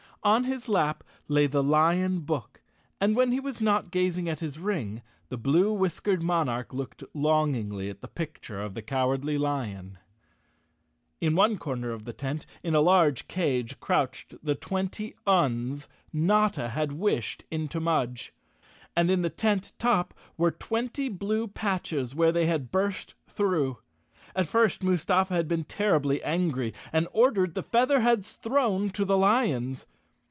On his lap lay the lion book, and when he was not gazing at his ring, the blue whiskered monarch looked longingly at the picture of the Cowardly Lion. 202 Chapter Fifteen In one corner of the tent, in a large cage, crouched the twenty Uns Notta had wished into Mudge, and in the tent top were twenty blue patches where they had burst through. At first Mustafa had been terribly angry and ordered the Featherheads thrown to the lions.